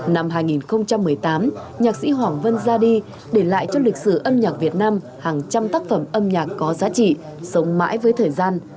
năm hai nghìn một mươi tám nhạc sĩ hoàng vân ra đi để lại cho lịch sử âm nhạc việt nam hàng trăm tác phẩm âm nhạc có giá trị sống mãi với thời gian